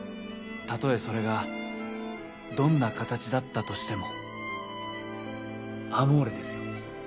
たとえそれがどんな形だったとしてもアモーレですよ